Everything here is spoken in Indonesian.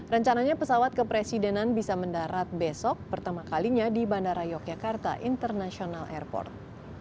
rencananya pesawat kepresidenan bisa mendarat besok pertama kalinya di bandara yogyakarta international airport